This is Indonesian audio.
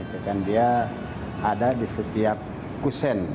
dan dia ada di setiap kusen